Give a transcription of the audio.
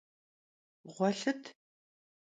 Ğuelhıt!